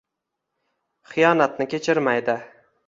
Xiyonatni kechirmaydi.